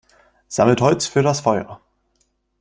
Sammelt Holz für das Feuer!